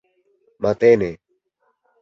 matene